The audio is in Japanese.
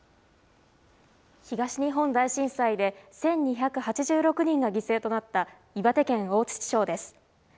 東日本大震災で１２８６人が犠牲となった岩手県大槌町です。